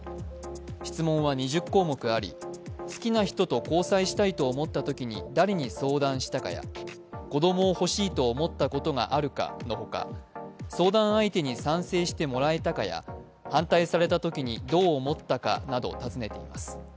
質問は２０項目あり、好きな人と交際したいと思ったときに誰に相談したかや、子供をほしいと思ったことがあるかのほか、相談相手に賛成してもらえたかや、反対されたときにどう思ったかなど尋ねています。